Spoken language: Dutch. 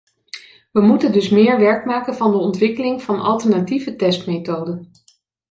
We moeten dus meer werk maken van de ontwikkeling van alternatieve testmethoden.